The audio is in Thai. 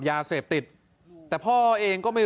ส่งมาขอความช่วยเหลือจากเพื่อนครับ